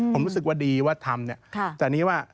ผมรู้สึกว่าดีว่าทำ